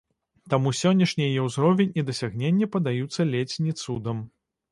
Таму сённяшні яе ўзровень і дасягненні падаюцца ледзь ні цудам.